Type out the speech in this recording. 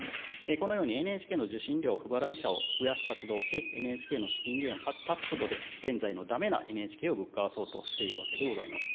このように、ＮＨＫの受信料不払い者を増やす活動をし、ＮＨＫの資金源を断つことで、現在のだめなＮＨＫをぶっ壊そうとしているわけでございます。